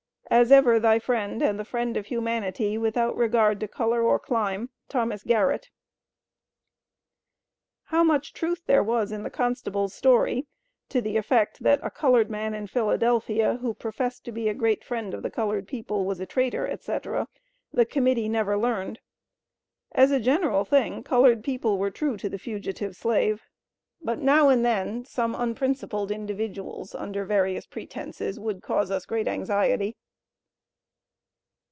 As ever thy friend, and the friend of Humanity, without regard to color or clime. THOS. GARRETT. How much truth there was in the "constable's" story to the effect, "that a colored man in Philadelphia, who professed to be a great friend of the colored people, was a traitor, etc.," the Committee never learned. As a general thing, colored people were true to the fugitive slave; but now and then some unprincipled individuals, under various pretenses, would cause us great anxiety.